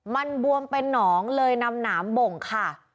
มันบวมเป็นหนองเลยนำหนามบ่งค่ะ